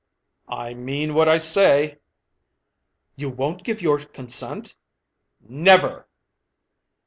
"I mean what I say." "You won't give your consent?" "Never!"